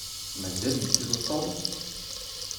Mazal yettru Tom?